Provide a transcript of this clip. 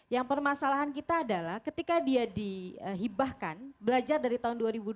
yang permasalahan kita adalah ketika dia dihibahkan belajar dari tahun dua ribu dua belas